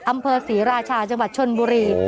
อำเภอศรีราชาจังหวัดชนบุรี